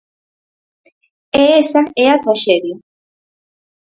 E esa é a traxedia.